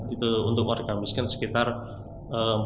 itu untuk warga miskin sekitar empat ribu orang